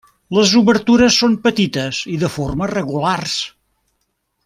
Les obertures són petites i de formes regulars.